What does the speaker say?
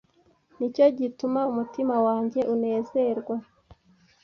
Ni cyo gituma umutima wanjye unezerwa,